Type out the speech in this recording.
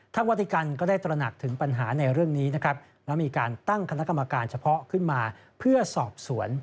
วัติกันก็ได้ตระหนักถึงปัญหาในเรื่องนี้นะครับแล้วมีการตั้งคณะกรรมการเฉพาะขึ้นมาเพื่อสอบสวน